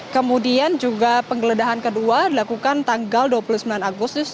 kemudian juga penggeledahan kedua dilakukan tanggal dua puluh sembilan agustus